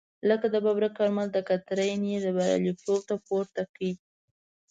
لکه د ببرک کارمل دکترین یې بریالیتوب ته پورته کړی.